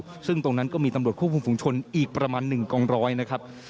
ไม่พึ่นตรงนั้นก็มีตำรวจฮุกภูมิผู้ชนอีกประมาณหนึ่งกองร้อยนะครับ